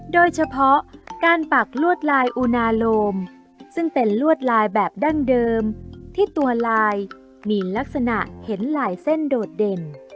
โดยเฉพาะการปักลวดลายอุณาโลมซึ่งเป็นลวดลายแบบดั้งเดิมที่ตัวลายมีลักษณะเห็นหลายเส้นโดดเด่น